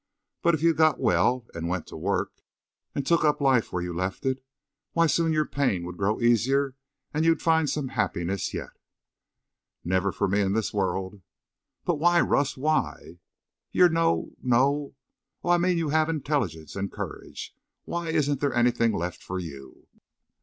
But if you got well—and went to work—and took up life where you left it—why soon your pain would grow easier. And you'd find some happiness yet." "Never for me in this world." "But why, Rust, why? You're no—no—Oh! I mean you have intelligence and courage. Why isn't there anything left for you?"